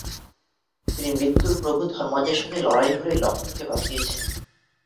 তিনি মৃত্যুর প্রভু ধর্মরাজের সাথে লড়াই করে লখনকে বাঁচিয়েছেন।